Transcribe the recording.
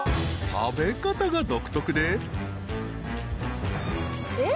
［食べ方が独特で］